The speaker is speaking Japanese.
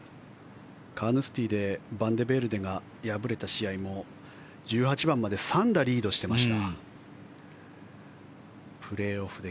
カーヌスティでバンデベルデが敗れた試合も１８番まで３打リードしていました。